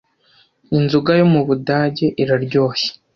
inzoga yo mubudage iraryoshye